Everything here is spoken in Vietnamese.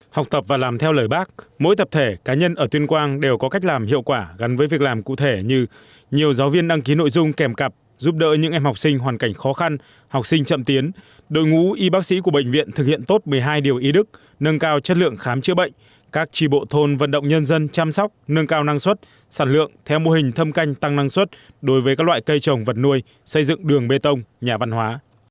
học tập và làm theo lời bác mỗi tập thể cá nhân ở tuyên quang đều có cách làm hiệu quả gắn với việc làm cụ thể như nhiều giáo viên đăng ký nội dung kèm cặp giúp đỡ những em học sinh hoàn cảnh khó khăn học sinh chậm tiến đội ngũ y bác sĩ của bệnh viện thực hiện tốt một mươi hai điều ý đức nâng cao chất lượng khám chữa bệnh các trì bộ thôn vận động nhân dân chăm sóc nâng cao năng suất sản lượng theo mô hình thâm canh tăng năng suất đối với các loại cây trồng vật nuôi xây dựng đường bê tông nhà văn hóa